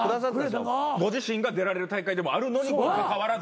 ご自身が出られる大会でもあるのにもかかわらず。